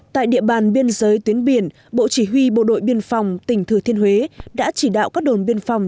tại địa bàn biên giới tuyến biển bộ chỉ huy bộ đội biên phòng tỉnh thừa thiên huế đã chỉ đạo các đồn biên phòng